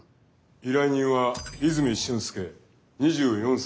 依頼人は泉駿介２４歳。